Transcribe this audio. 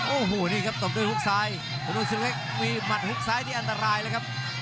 โอ้โหนี่ครับตบด้วยฮุกซ้ายพุทธศึกเล็กมีหมัดฮุกซ้ายนี่อันตรายเลยครับ